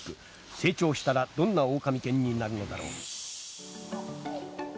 成長したらどんなオオカミ犬になるのだろう。